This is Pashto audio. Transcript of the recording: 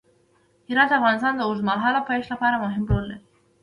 هرات د افغانستان د اوږدمهاله پایښت لپاره مهم رول لري.